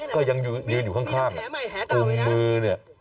ก็ยังยืนอยู่ข้างกลุ่มมือเนี่ย